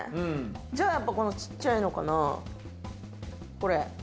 じゃあ、やっぱこのちっちゃいのかな、これ。